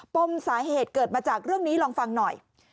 ปมสาเหตุเกิดมาจากเรื่องนี้ลองฟังหน่อย